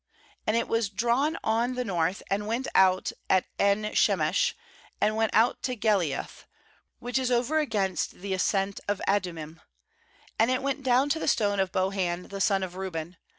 17And it was drawn on the north, and went out at En shemesh, and went out to Geliloth, which is over against the ascent of Adiunrnim; and it went down to the Stone of Bohan the son of Reuben.